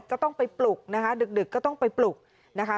ก็ต้องไปปลุกนะคะดึกก็ต้องไปปลุกนะคะ